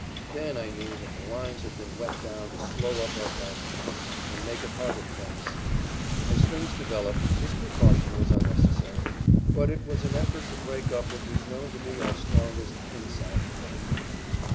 Then I knew that the lines had been wet down to slow up our fast runners and make it harder for them to steal. As things developed, this precaution was unnecessary, but it was an effort to break up what was known to be our strongest "inside" play.